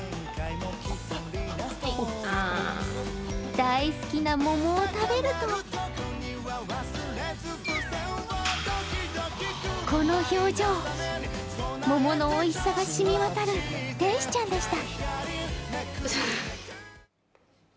大好きな桃を食べるとこの表情桃のおいしさが染み渡る天使ちゃんでした。